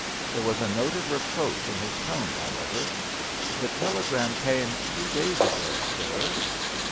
There was a note of reproach in his tone, however, "The telegram came two days ago, sir."